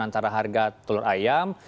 antara harga telur ayam